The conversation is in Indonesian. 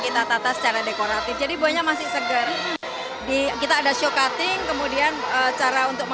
kita tata secara dekoratif jadi buahnya masih segar di kita ada show cutting kemudian cara untuk